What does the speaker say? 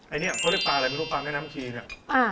อันนี้พอได้ปลาอะไรมีปลาแค่น้ำชีเนี่ย